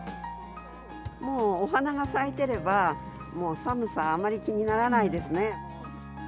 もうお花が咲いてれば、寒さ、あまり気にならないですね。